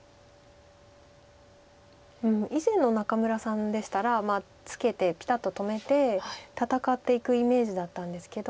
以前の仲邑さんでしたらツケてピタッと止めて戦っていくイメージだったんですけど。